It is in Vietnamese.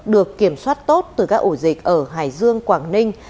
được kiểm soát tốt từ các ổ dịch ở hải dương quảng ninh